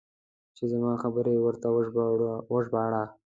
چې زما خبرې ورته وژباړه.